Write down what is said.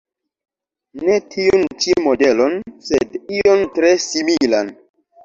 Ne tiun ĉi modelon, sed ion tre similan.